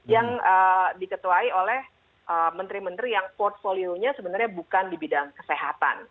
yang diketuai oleh menteri menteri yang portfolio nya sebenarnya bukan di bidang kesehatan